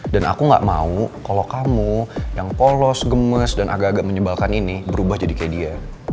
dan aku gak mau kalo kamu yang polos gemes dan agak agak menyebalkan ini berubah jadi kayak dia